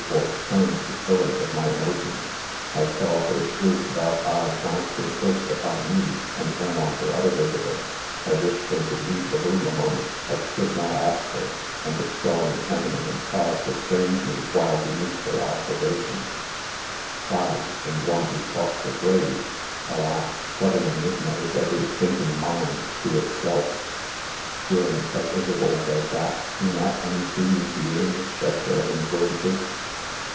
voice turned the current of my emotions. — I saw her shrewd dark eye glancing" first upon me, and then on her other visitor.— I wished her to leave the room, a moment,, but could not ask her,, and a strong sentiment of pride, restrained me while beneath her obser vation 1 — pride in one who sought the grave! Alas ! what an enigma is every thinking mind Jbo itself! I During such intervals as that, d© I not unseen beings shed their influences.!